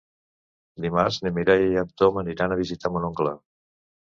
Dimarts na Mireia i en Tom aniran a visitar mon oncle.